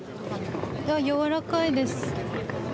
やわらかいです。